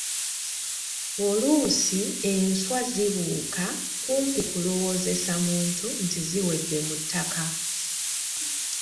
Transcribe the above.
Oluusi enswa zibuuka kumpi kulowoozesa muntu nti ziwedde mu ttaka.